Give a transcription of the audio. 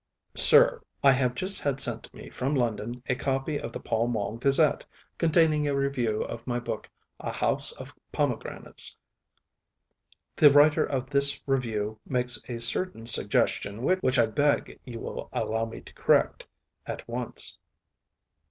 SIR, I have just had sent to me from London a copy of the Pall Mall Gazette, containing a review of my book A House of Pomegranates. The writer of this review makes a certain suggestion which I beg you will allow me to correct at once.